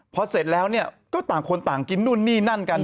พอเสร็จแล้วเนี่ยก็ต่างคนต่างกินนู่นนี่นั่นกัน